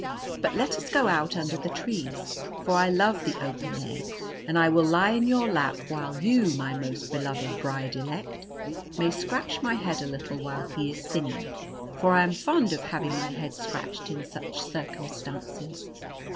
But let us go out under the trees, for I love the open air: and I will lie in your lap, while you, my most beloved bride elect, may scratch my head a little while he is singing for I am fond of having my head scratched in such circumstances."